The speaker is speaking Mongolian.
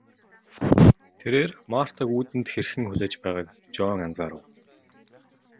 Тэрээр Мартаг үүдэнд хэрхэн хүлээж байгааг Жон анзаарав.